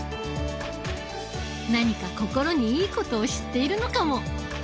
何か心にいいことを知っているのかも！